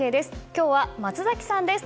今日は松崎さんです。